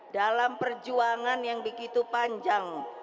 dalam perjuangan yang begitu panjang